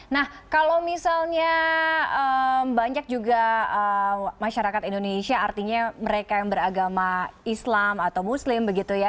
nah kalau misalnya banyak juga masyarakat indonesia artinya mereka yang beragama islam atau muslim begitu ya